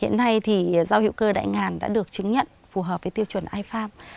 hiện nay thì rau hữu cơ đại ngàn đã được chứng nhận phù hợp với tiêu chuẩn i farm